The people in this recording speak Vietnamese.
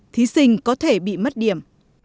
thí sinh có thể bị mất điểm